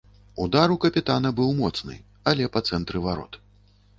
Удар у капітана быў моцны, але па цэнтры варот.